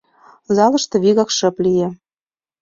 Залыште вигак шып лие.